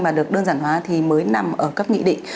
mà được đơn giản hóa thì mới nằm ở cấp nghị định